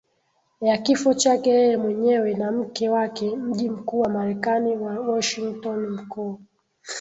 ya kifo chake yeye mwenyewe na mke wakeMji mkuu wa Marekani Washingtonmkuu